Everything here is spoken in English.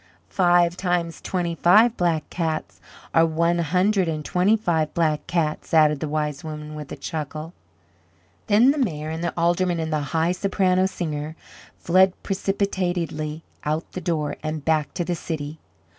"Five times twenty five Black Cats are one hundred and twenty five Black Cats," added the Wise Woman with a chuckle. Then the Mayor and the Aldermen and the high Soprano Singer fled precipitately out the door and back to the city.